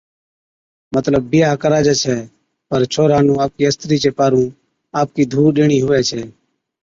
مطلب بِيھا ڪراجي ڇَي پر ڇوھَرا نُون آپَڪِي استرِي چي پارُون آپَڪِي ڌُو ڏيڻِي ھُوي ڇَي